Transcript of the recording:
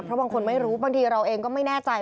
เพราะบางคนไม่รู้บางทีเราเองก็ไม่แน่ใจ